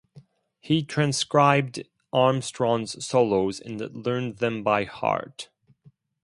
He transcribed Armstrong's solos and learned them by heart.